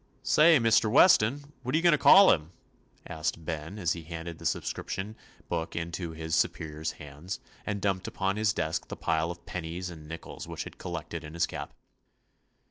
"Say, Mr. Weston, what you goin' to call him?' asked Ben, as he handed the subscription book into his supe 43 THE ADVENTURES OF rior's hands, and dumped upon his desk the pile of pennies and nickels which he had collected in his cap.